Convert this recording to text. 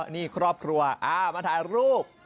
นี่ครอบครัวมาถ่ายรูป